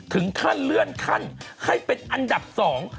ถึงขั้นเลื่อนขั้นให้เป็นอันดับสอง